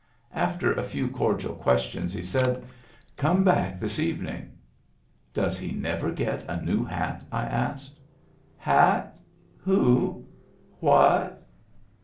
After a few cordial ques tions he said :" Come back this evening." " Does he never get a new hat ?" I asked. "Hat? Who? What?